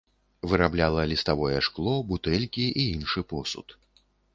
Вырабляла ліставое шкло, бутэлькі і іншы посуд.